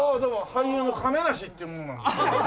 俳優の亀梨っていう者なんですけども。